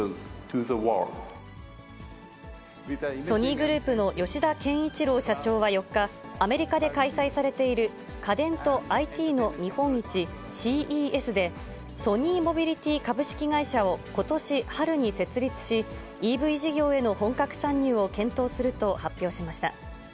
ソニーグループの吉田憲一郎社長は４日、アメリカで開催されている家電とＩＴの見本市、ＣＥＳで、ソニーモビリティ株式会社をことし春に設立し、ＥＶ事業への本格参入を検討すると発表しました。